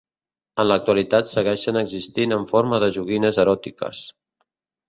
En l'actualitat segueixen existint en forma de joguines eròtiques.